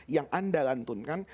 yang anda lantunkan